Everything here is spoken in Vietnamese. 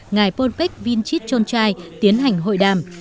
ngày polpech vichit chonchai tiến hành hội đàm